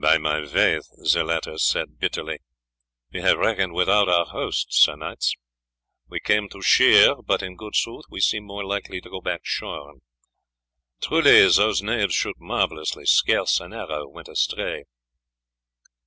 "By my faith," the latter said bitterly, "we have reckoned without our host, Sir Knights. We came to shear, but in good sooth we seem more likely to go back shorn. Truly those knaves shoot marvellously; scarce an arrow went astray."